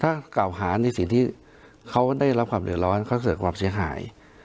ถ้ากล่าวหาในสิ่งที่เขาได้รับความเดือดร้อนเขาเกิดความเสียหาย